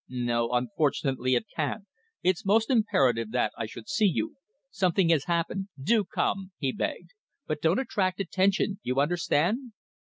"No, unfortunately it can't. It's most imperative that I should see you. Something has happened. Do come!" he begged. "But don't attract attention you understand!"